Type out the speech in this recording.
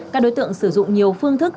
các đối tượng sử dụng nhiều phương thức